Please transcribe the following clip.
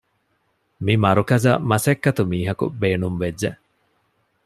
މިމަރުކަޒަށް މަސައްކަތު މީހަކު ބޭނުންވެއްޖެ